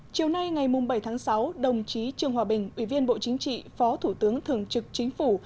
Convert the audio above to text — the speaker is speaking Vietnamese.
chiều nay ngày bảy tháng sáu đồng chí trương hòa bình ủy viên bộ chính trị phó thủ tướng thường trực chính phủ